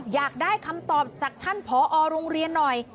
อยากได้คำตอบจากท่านผอโรงเรียนหน่อย